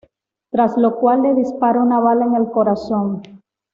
Tras lo cual le dispara una bala en el corazón.